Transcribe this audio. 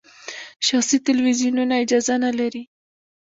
شخصي تلویزیونونه اجازه نلري.